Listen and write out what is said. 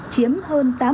chiếm hơn tám mươi